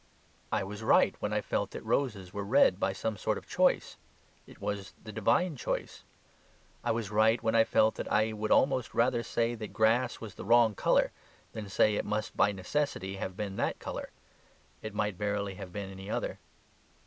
I was right when I felt that roses were red by some sort of choice: it was the divine choice. I was right when I felt that I would almost rather say that grass was the wrong colour than say it must by necessity have been that colour: it might verily have been any other.